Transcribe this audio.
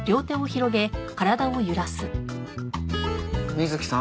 水木さん？